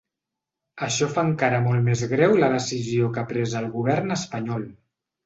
Això fa encara molt més greu la decisió que ha pres el govern espanyol.